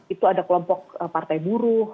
itu ada kelompok partai buruh